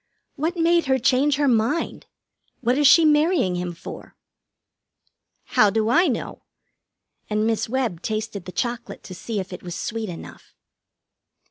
"What made her change her mind? What is she marrying him for?" "How do I know?" And Miss Webb tasted the chocolate to see if it was sweet enough.